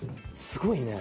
すごいね。